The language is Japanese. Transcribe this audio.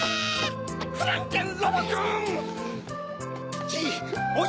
フランケンロボくん！